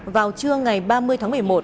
vào trưa ngày ba mươi tháng một mươi một